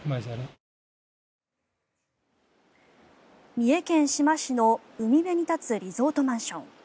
三重県志摩市の海辺に立つリゾートマンション。